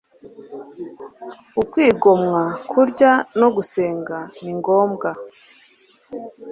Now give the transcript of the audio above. Ukwigomwa kurya no gusenga ni ngombwa